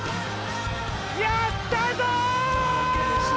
やったぞ！